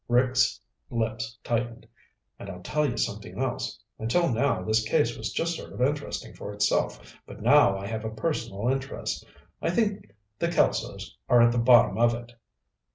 Rick's lips tightened. "And I'll tell you something else. Until now, this case was just sort of interesting for itself, but now I have a personal interest. I think the Kelsos are at the bottom of it."